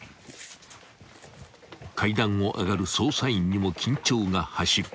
［階段を上がる捜査員にも緊張が走る］